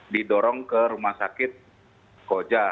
didorong ke rumah sakit koja